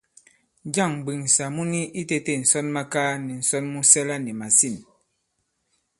Njâŋ m̀mbwèŋsà mu ni itētē ǹsɔnmakaa nì ǹsɔn mu sɛla nì màsîn?